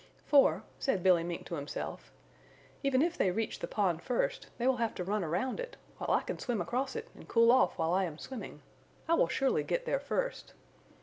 "For," said Billy Mink to himself, "even if they reach the pond first, they will have to run around it, while I can swim across it and cool off while I am swimming. I will surely get there first."